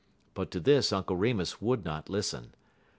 But to this Uncle Remus would not listen.